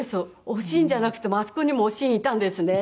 『おしん』じゃなくてあそこにもおしんいたんですね。